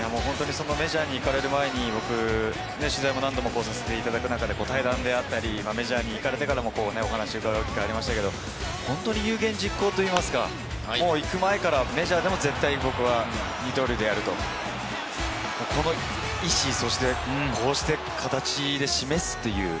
メジャーに行かれる前に僕、取材も何度もさせていただく中で、対談であったり、メジャーに行かれてからも、お話を伺う機会がありましたけれども、本当に有言実行といいますか、行く前からメジャーでも絶対、僕は二刀流でやると、この意志、そして形で示す。